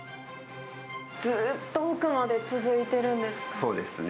ずっと奥まで続いてるんですそうですね。